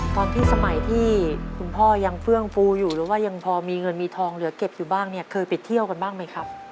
สมัยที่คุณพ่อยังเฟื่องฟูอยู่หรือว่ายังพอมีเงินมีทองเหลือเก็บอยู่บ้างเนี่ยเคยไปเที่ยวกันบ้างไหมครับ